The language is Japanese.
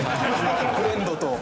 フレンドと。